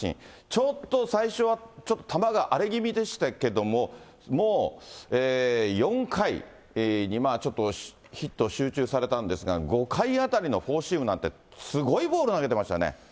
ちょっと最初は球が荒れ気味でしたけれども、もう４回にちょっとヒットを集中されたんですが、５回あたりのフォーシームなんて、すごいボール投げてましたよね。